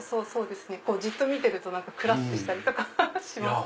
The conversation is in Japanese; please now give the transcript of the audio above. じっと見てるとクラってしたりします